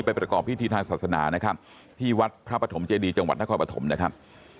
ประกอบพิธีทางศาสนานะครับที่วัดพระปฐมเจดีจังหวัดนครปฐมนะครับ